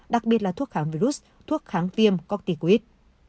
đặc biệt là thuốc kháng virus thuốc kháng tiêm corticoid